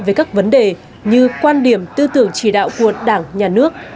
về các vấn đề như quan điểm tư tưởng chỉ đạo của đảng nhà nước